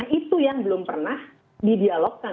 nah itu yang belum pernah di dialogkan